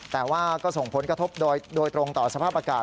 แต่ว่าก็ส่งผลกระทบโดยตรงต่อสภาพอากาศ